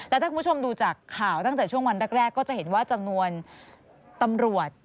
แล้วถ้าคุณผู้ชมดูจากข่าวตั้งแต่ช่วงวันแรกก็จะเห็นว่าจำนวนตำรวจ